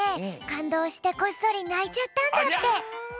かんどうしてこっそりないちゃったんだって。